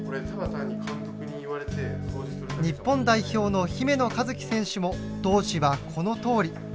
日本代表の姫野和樹選手も当時はこのとおり。